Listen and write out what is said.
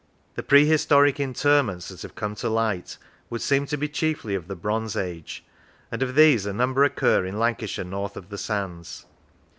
The prehis toric interments that have come to light would seem to be chiefly of the Bronze Age, and of these a number occur in Lancashire north of the sands.